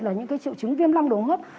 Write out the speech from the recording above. là những triệu chứng viêm long đường hô hấp